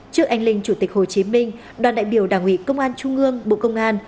trước anh linh chủ tịch hồ chí minh đoàn đại biểu đảng ủy công an trung ương bộ công an